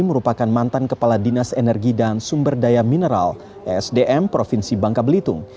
merupakan mantan kepala dinas energi dan sumber daya mineral esdm provinsi bangka belitung